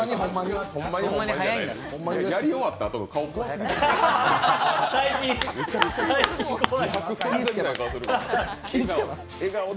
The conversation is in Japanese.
やり終わったあとの顔怖すぎるで。